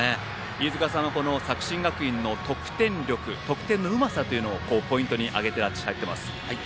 飯塚さんは作新学院の得点力得点のうまさというのをポイントに上げてらっしゃいます。